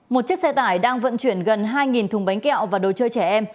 một chiếc xe tải đang vận chuyển gần hai thùng bánh kẹo và đồ chơi trẻ em